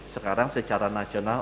sekarang secara nasional